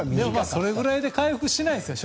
それぐらいでは回復しないですよ。